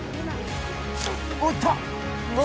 おいった！